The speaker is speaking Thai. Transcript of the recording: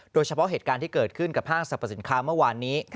เหตุการณ์ที่เกิดขึ้นกับห้างสรรพสินค้าเมื่อวานนี้